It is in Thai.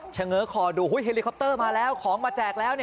เง้อคอดูเฮลิคอปเตอร์มาแล้วของมาแจกแล้ว